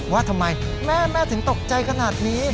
ว่าทำไมแม่ถึงตกใจขนาดนี้